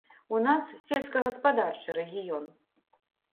У нас сельскагаспадарчы рэгіён.